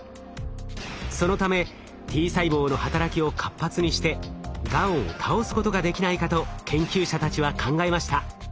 そのためＴ細胞の働きを活発にしてがんを倒すことができないかと研究者たちは考えました。